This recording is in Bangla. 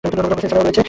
এছাড়াও রয়েছে-